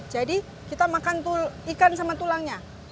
jadi kita makan ikan sama tulangnya